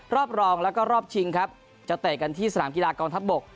รอบรองแล้วก็รอบชิงครับจะเตะกันที่สนามกีฬากองทัพบก